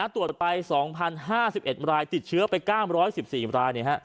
ตรวจไป๒๐๕๑รายติดเชื้อไป๙๑๔ราย